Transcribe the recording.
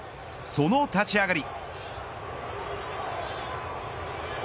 その立ち上がり。